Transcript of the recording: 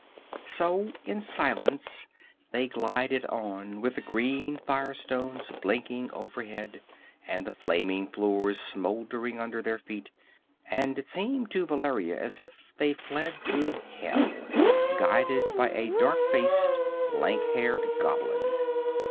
So in silence they glided on with the green fire stones blinking overhead and the flaming floors smoldering under their feet, and it seemed to Valeria as if they fled through hell, guided by a dark faced, lank haired goblin.